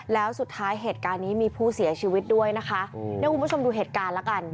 แล้วสุดท้ายเหตุการณ์นี้มีผู้เสียชีวิตด้วยนะคะเดี๋ยวคุณผู้ชมดูเหตุการณ์แล้วกัน